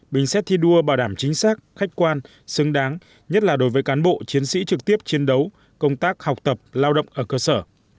bình xét thi đua bảo đảm chính xác khách quan xứng đáng nhất là đối với cán bộ chiến sĩ trực tiếp chiến đấu công tác học tập lao động ở cơ sở